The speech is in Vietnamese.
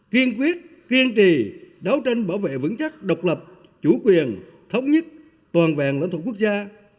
kiên quyết kiên trì đấu tranh bảo vệ vững chắc độc lập chủ quyền thống nhất toàn vẹn lãnh thổ quốc gia